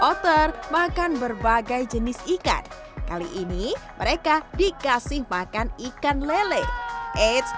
otter makan berbagai jenis ikan kali ini mereka dikasih makan ikan lele eits